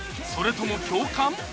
それとも共感？